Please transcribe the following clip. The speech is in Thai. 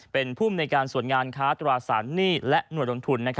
เป็นภูมิในการส่วนงานค้าตราสารหนี้และหน่วยลงทุน